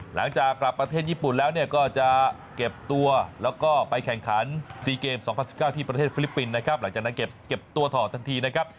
หลังจากกลับประเทศญี่ปุ่นแล้วเนี่ยก็จะเก็บตัวแล้วก็ไปแข่งขัน๔เกม๒๐๑๙ที่ประเทศฟิลิปปินส์นะครับหลังจากนั้นเก็บตัวถอดทันทีนะครับ